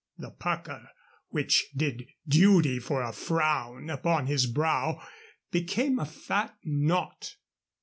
The pucker which did duty for a frown upon his brow became a fat knot.